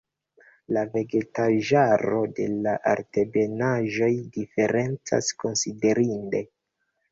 La vegetaĵaro de la altebenaĵoj diferencas konsiderinde.